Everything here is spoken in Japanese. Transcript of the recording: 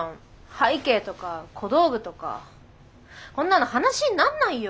背景とか小道具とかこんなの話になんないよ。